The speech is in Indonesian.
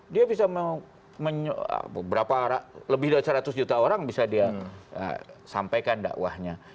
dia bisa lebih dari seratus juta orang bisa dia sampaikan dakwahnya